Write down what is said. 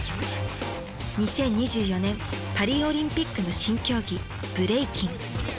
２０２４年パリオリンピックの新競技ブレイキン。